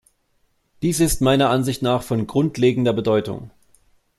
Dies ist meiner Ansicht nach von grundlegender Bedeutung.